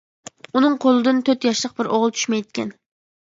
ئۇنىڭ قولىدىن تۆت ياشلىق بىر ئوغۇل چۈشمەيدىكەن.